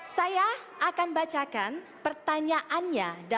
saya akan bacakan pertanyaannya